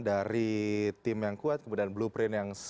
dari tim yang kuat kemudian blueprint yang